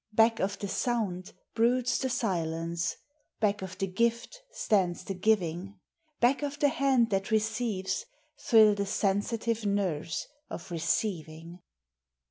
333 Back of the sound broods the silence, back of the gift stands the giving ; Back of the hand that receives thrill the sensitive nerves of receiving.